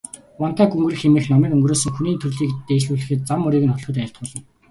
Вантай гүнгэрэг хэмээх номыг өнгөрсөн хүний төрлийг дээшлүүлэхэд, зам мөрийг нь хөтлөхөд айлтгуулна.